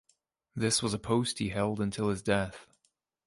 This was a post he held until his death.